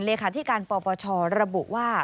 เลขาธิการปปชระบุว่า